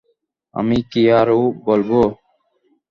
আমি কি আরও বলবো?